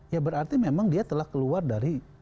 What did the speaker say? ya berarti memang dia telah keluar dari